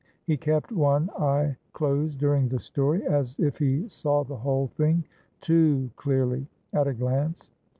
He kept one eye closed during the story, as if he saw the whole thing (too clearly) at a glance.